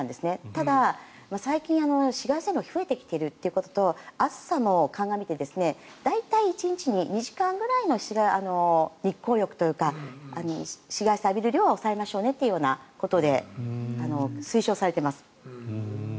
ただ最近、紫外線量が増えてきているということと暑さもかんがみて大体１日に２時間ぐらいに日光浴というか紫外線を浴びる量を抑えましょうねということで推奨されてます。